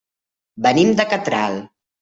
Venim de Catral.